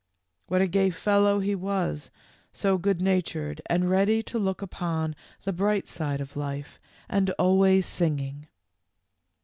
What a gay fellow he was, so good natured and ready to look upon the bright side of life, and always singing.